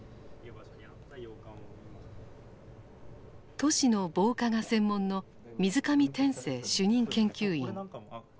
都市の防火が専門の水上点睛主任研究員。